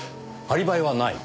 アリバイはない。